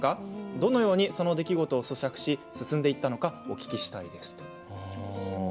どのようにその出来事をそしゃくし進んでいったのかお聞きしたいです。